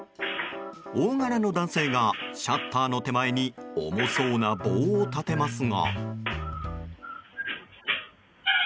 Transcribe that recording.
大柄の男性がシャッターの手前に重そうな棒を立てますが。